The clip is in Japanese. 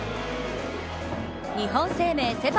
日本生命セ・パ